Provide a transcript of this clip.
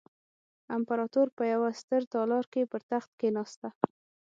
امپراتور په یوه ستر تالار کې پر تخت کېناسته.